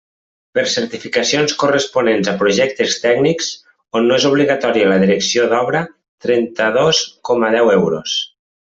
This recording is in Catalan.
Per certificacions corresponents a projectes tècnics on no és obligatòria la direcció d'obra: trenta-dos coma deu euros.